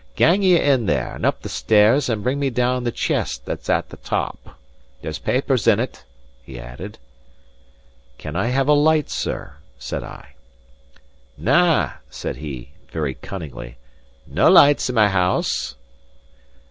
Gang ye in there, and up the stairs, and bring me down the chest that's at the top. There's papers in't," he added. "Can I have a light, sir?" said I. "Na," said he, very cunningly. "Nae lights in my house."